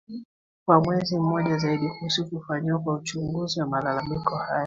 kwa mwezi mmoja zaidi kuhusu kufanyika kwa uchunguza wa malalamiko hayo